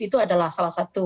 itu adalah salah satu